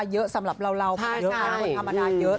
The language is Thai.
เยอะสำหรับเราเบาะเยอะซะตัวธรรมดาเยอะ